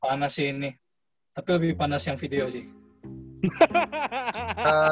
panas ini tapi lebih panas yang video sih